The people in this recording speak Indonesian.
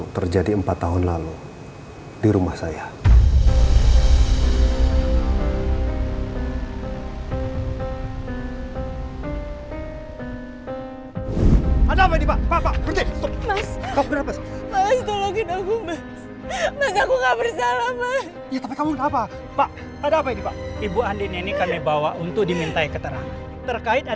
terkait adanya pembunuhan di rumah ini pak